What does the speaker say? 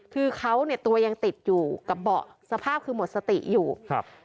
คือเขาเนี่ยตัวยังติดอยู่กับเบาะสภาพคือหมดสติอยู่ครับ